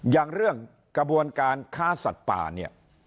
อย่างเรื่องกระบวนการค้าสัตว์ป่าเนี่ย